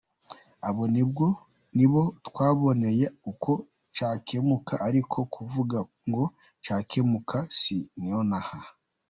Abo nibo twaboneye uko cyakemuka ariko kuvuga ngo cyakemuka si nonaha.